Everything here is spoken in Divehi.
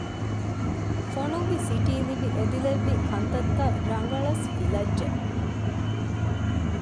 ފޮނުއްވި ސިޓި ލިބި އެދިލެއްވި ކަންތައްތައް ރަގަޅަސް ފިލައްޖެ